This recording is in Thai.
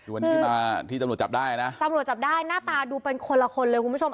คือวันนี้ที่มาที่ตำรวจจับได้นะตำรวจจับได้หน้าตาดูเป็นคนละคนเลยคุณผู้ชม